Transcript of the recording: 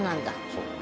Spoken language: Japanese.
そう。